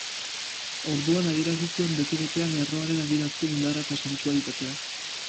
Orduan adierazi zuen bete-betean lerroaren adierazpen-indarra eta sentsualitatea.